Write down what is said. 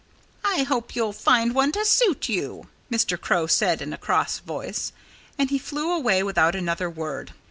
"I hope you'll find one to suit you," Mr. Crow said in a cross voice. And he flew away without another word.